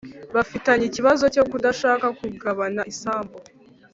bafitanye ikibazo cyo kudashaka kugabana isambu